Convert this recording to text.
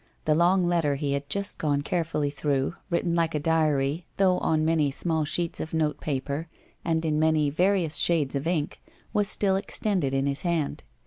The long letter he had just gone carefully through, 'written like a diary, though on many small sheets of notepaper and in many various shades of ink, was still extended in his hand.